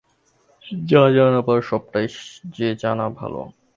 যা জানবার সবটাই যে জানা ভালো।